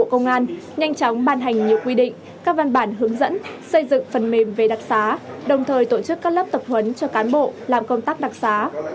bộ công an nhanh chóng ban hành nhiều quy định các văn bản hướng dẫn xây dựng phần mềm về đặc xá đồng thời tổ chức các lớp tập huấn cho cán bộ làm công tác đặc xá